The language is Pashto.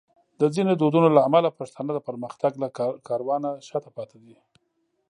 د ځینو دودونو له امله پښتانه د پرمختګ له کاروانه شاته پاتې دي.